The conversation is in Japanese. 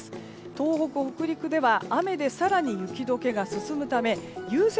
東北、北陸では雨で更に雪解けが進むため融雪